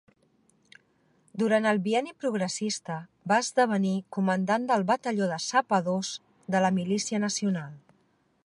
Durant el Bienni Progressista va esdevenir comandant del batalló de sapadors de la milícia nacional.